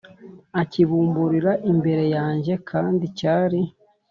Akibumburira imbere yanjye kandi cyari